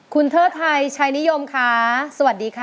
คุณเทิดไทยชายนิยมค่ะสวัสดีค่ะ